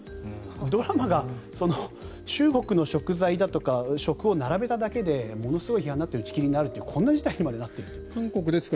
ドラマが中国の食材とかを並べただけでものすごい批判になって打ち切りになるという事態になっていると。